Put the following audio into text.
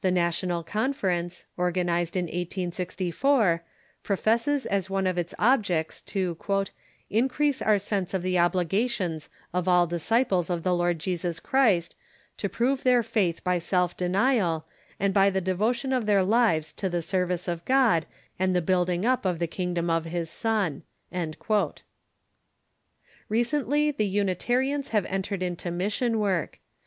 The National Conference, organized in 1864, professes as one of its objects to " increase our sense of the obligations of all disciples of the Lord Jesus Christ to prove their faith by self denial, and by the devotion of their lives to the service of God and the build ing up of the kingdom of his Son." Recently the Unitarians have entered into mission work.